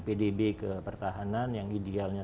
pdb ke pertahanan yang idealnya